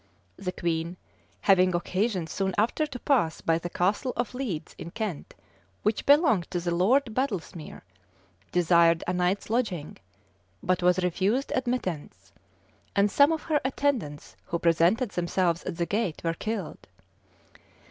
The queen, having occasion soon after to pass by the castle of Leeds in Kent, which belonged to the lord Badlesmere, desired a night's lodging, but was refused admittance; and some of her attendants, who presented themselves at the gate, were killed.